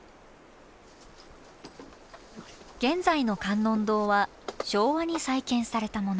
現在の観音堂は昭和に再建されたもの。